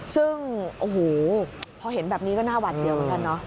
ซึ่งอโหพอเห็นแบบนี่ก็หน้าบัตรเจียวกันเนอะ